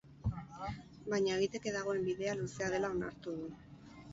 Baina egiteke dagoen bidea luzea dela onartu du.